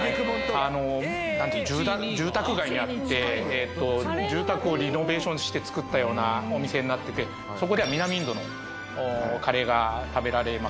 あの住宅街にあってええと住宅をリノベーションして造ったようなお店になっててそこでは南インドのカレーが食べられます